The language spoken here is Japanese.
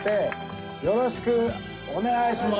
よろしくお願いします！